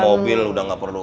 mobil udah nggak perlu